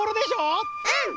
うん！